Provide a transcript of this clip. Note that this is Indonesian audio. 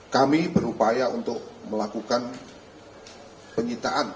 kami berupaya untuk melakukan penyitaan